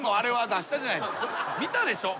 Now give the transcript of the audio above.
見たでしょ？